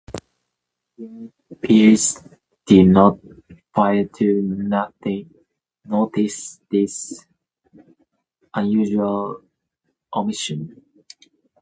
The attending peers did not fail to notice this unusual omission.